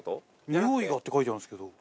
ニオイがって書いてあるんですけど。